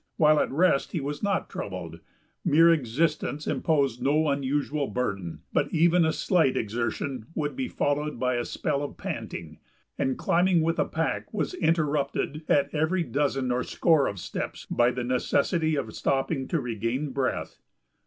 While at rest he was not troubled; mere existence imposed no unusual burden, but even a slight exertion would be followed by a spell of panting, and climbing with a pack was interrupted at every dozen or score of steps by the necessity of stopping to regain breath.